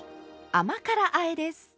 甘辛あえです。